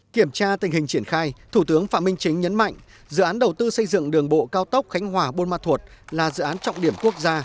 kiểm tra tình hình triển khai thủ tướng phạm minh chính nhấn mạnh dự án đầu tư xây dựng đường bộ cao tốc khánh hòa bôn ma thuột là dự án trọng điểm quốc gia